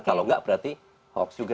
kalau enggak berarti hoax juga